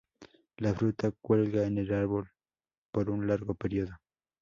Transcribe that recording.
La fruta cuelga en el árbol por un largo periodo.